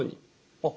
あっ。